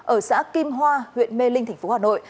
ở xã kim hoa huyện mê linh tp hà nội